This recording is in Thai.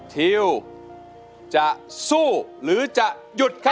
ทิวจะสู้หรือจะหยุดครับ